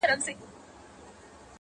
چي تور نه مري، بور به هم نه مري.